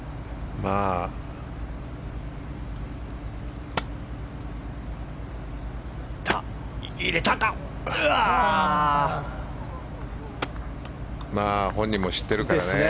まあ本人も知ってるからね。